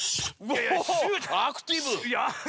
おアクティブ！